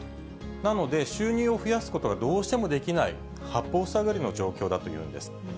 なので、収入を増やすことがどうしてもできない八方塞がりの状況だというんです。